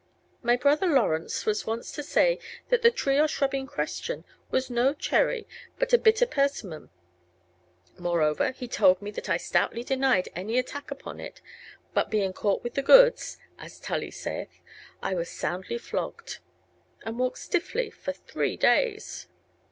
My Brother Lawrence was wont to say that the Tree or Shrubb in question was no Cherrye but a Bitter Persimmon; moreover he told me that I stoutly denyed any Attacke upon it; but being caught with the Goods (as Tully saith) I was soundly Flogged, and walked stiffly for three dayes."